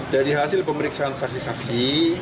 dari hasil pemeriksaan saksi saksi